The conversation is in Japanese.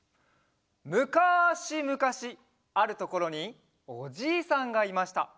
「むかしむかしあるところにおじいさんがいました。